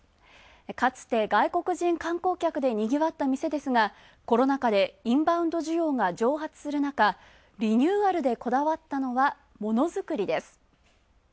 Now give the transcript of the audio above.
かつて外国人観光客でにぎわった店ですがコロナ禍でインバウンド需要が蒸発するなかリニューアルでこだわったのはものづくりです。